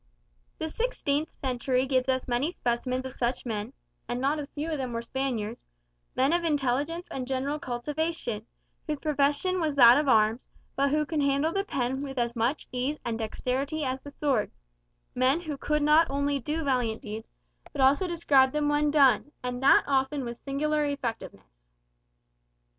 The sixteenth century gives us many specimens of such men and not a few of them were Spaniards men of intelligence and general cultivation, whose profession was that of arms, but who can handle the pen with as much ease and dexterity as the sword; men who could not only do valiant deeds, but also describe them when done, and that often with singular effectiveness.